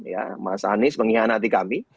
ya mas anies mengkhianati kami